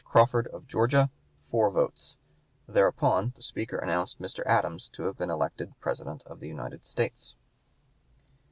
Crawford, of Georgia, four votes." Thereupon the speaker announced Mr. Adams (p. 174) to have been elected President of the United States.